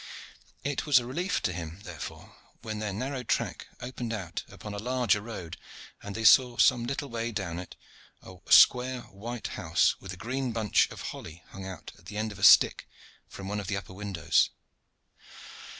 It was a relief to him, therefore, when their narrow track opened out upon a larger road, and they saw some little way down it a square white house with a great bunch of holly hung out at the end of a stick from one of the upper windows.